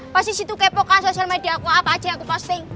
pasti situ kepokan sosial media aku apa aja yang aku posting